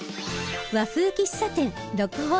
和風喫茶店鹿